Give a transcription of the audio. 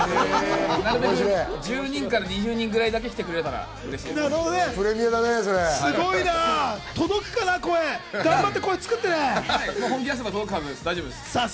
１０人から２０人くらい来てくれたら嬉しいです。